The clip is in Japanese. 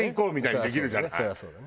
そりゃそうだね。